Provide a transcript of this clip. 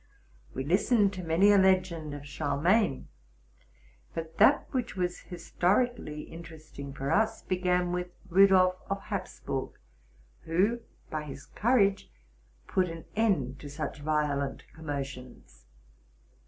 We listened to many a legend of Charlemagne. But that which was historically interesting for us began with Rudolph of Hapsburg, who by his courage put an end to such violent commotions.